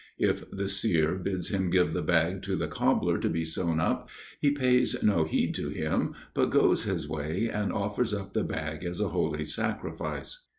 If the seer bids him give the bag to the cobbler to be sewn up, he pays no heed to him, but goes his way and offers up the bag as a holy sacrifice.